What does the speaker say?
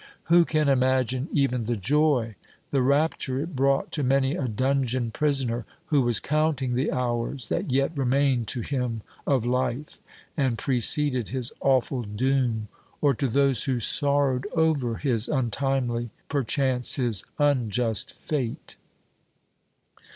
Who can imagine even the joy, the rapture it brought to many a dungeon prisoner, who was counting the hours that yet remained to him of life and preceded his awful doom, or to those who sorrowed over his untimely perchance his unjust fate!